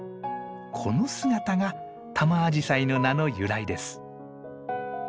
この姿がタマアジサイの名の由来です。